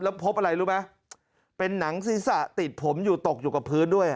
แล้วพบอะไรรู้ไหมเป็นหนังศีรษะติดผมอยู่ตกอยู่กับพื้นด้วย